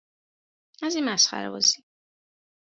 از این مسخره بازی